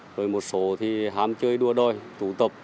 rồi một số thì ham chơi đua đòi tụ tập